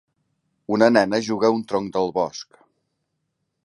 Una nena juga a un tronc del bosc.